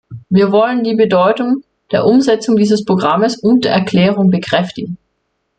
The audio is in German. Wir wollen die Bedeutung der Umsetzung dieses Programms und der Erklärung bekräftigen.